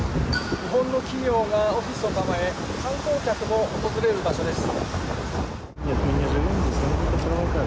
日本の企業がオフィスを構え、観光客も訪れる場所です。